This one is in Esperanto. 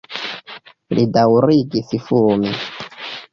Li daŭrigis fumi.